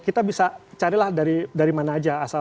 kita bisa carilah dari mana aja